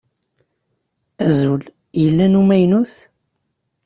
Azul! Yella n umaynut?